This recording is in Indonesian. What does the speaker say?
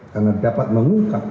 karena dapat mengungkap